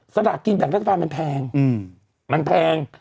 สลากกินแบ่งรัฐบาลมันแพงมันแพง